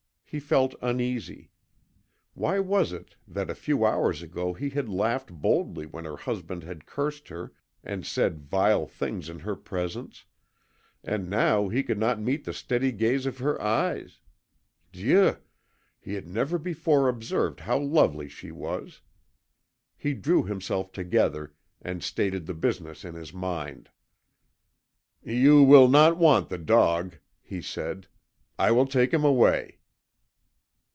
He felt uneasy. Why was it that a few hours ago he had laughed boldly when her husband had cursed her and said vile things in her presence and now he could not meet the steady gaze of her eyes? DIEU! he had never before observed how lovely she was! He drew himself together, and stated the business in his mind. "You will not want the dog," he said. "I will take him away."